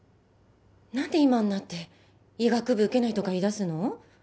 何で今になって医学部受けないとか言いだすの？